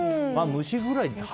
虫ぐらい。